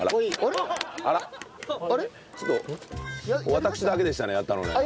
私だけでしたねやったのね。